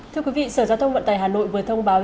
thưa quý vị sở giao thông vận tải hà nội vừa thông báo